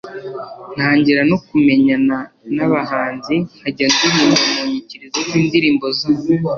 ntangira no kumenyana n’abahanzi nkajya ndirimba mu nyikirizo z’indirimbo zabo.